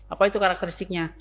apa itu karakteristiknya